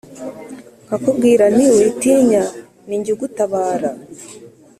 nkakubwira nti «Witinya ! Ni jye ugutabara !